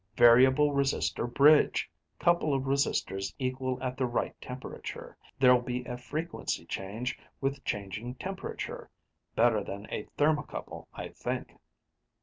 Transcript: "Variable resistor bridge. Couple of resistors equal at the right temperature. There'll be a frequency change with changing temperature better than a thermocouple, I think."